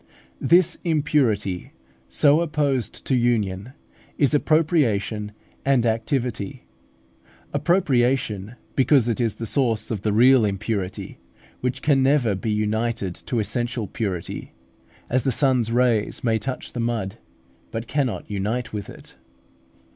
This impurity, so opposed to union, is appropriation and activity. Appropriation, because it is the source of the real impurity which can never be united to essential purity; as the sun's rays may touch the mud but cannot unite with it.